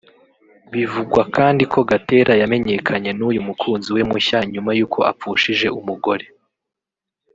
Bivugwa kandi ko Gatera yamenyanye n’uyu mukunzi we mushya nyuma y’uko apfushije umugore